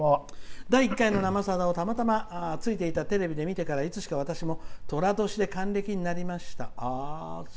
第１回の「生さだ」をたまたまついていたテレビで見てからいつしか私も、とら年で還暦になりました」。